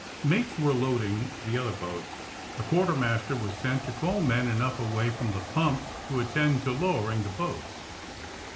Mates were loading the otherHboats. A quar termaster was sent to call men enough away from the pumps to attend to lowering the boats.